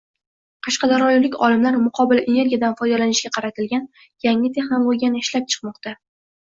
Qashqadaryolik olimlar muqobil energiyadan foydalanishga qaratilgan yangi texnologiyani ishlab chiqmoqda